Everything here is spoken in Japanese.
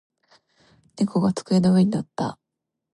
猫が机の上に乗った。